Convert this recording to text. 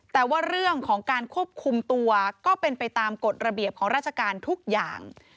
แต่ว่าเรื่องของการควบคุมตัวก็เป็นไปตามกฎระเบียบของราชการทุกอย่าง